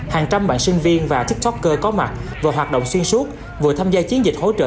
hàng trăm bạn sinh viên và tiktoker có mặt vừa hoạt động xuyên suốt vừa tham gia chiến dịch hỗ trợ